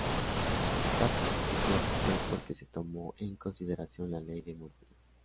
Stapp explicó que fue porque se tomó en consideración la Ley de Murphy.